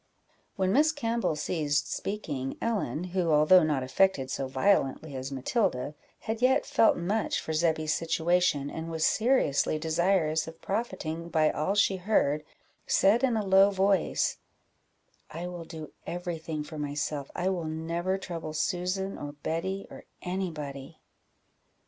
'" When Miss Campbell ceased speaking, Ellen, who, although not affected so violently as Matilda, had yet felt much for Zebby's situation, and was seriously desirous of profiting by all she heard, said in a low voice "I will do every thing for myself I will never trouble Susan, or Betty, or any body."